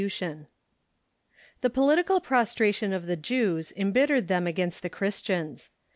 ] The political prostration of the Jews embittered them against the Christians.